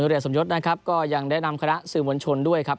เรียนสมยศนะครับก็ยังได้นำคณะสื่อมวลชนด้วยครับ